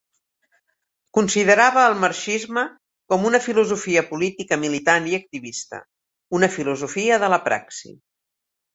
Considerava al Marxisme com una filosofia política militant i activista, una filosofia de la praxi.